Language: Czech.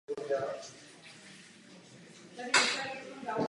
Proto musíme usilovat o konsensus a naslouchat všem.